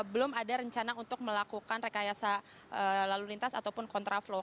belum ada rencana untuk melakukan rekayasa lalu lintas ataupun kontraflow